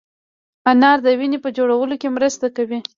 انار د وینې په جوړولو کې مرسته کوي.